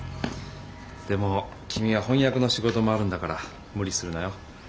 でも君は翻訳の仕事もあるんだから無理するなよ。